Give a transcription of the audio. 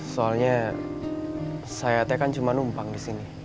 soalnya saya kan cuma numpang di sini